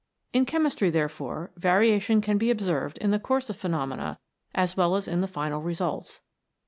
In chemistry, therefore, variation can be observed in the course of phenomena as well as in the final results.